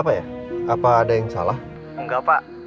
bisa yang mana ya kak